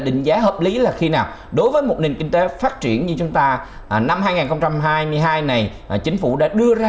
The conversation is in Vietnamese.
định giá hợp lý là khi nào đối với một nền kinh tế phát triển như chúng ta năm hai nghìn hai mươi hai này chính phủ đã đưa ra